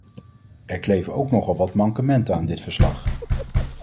Er kleven ook nogal wat mankementen aan dit verslag.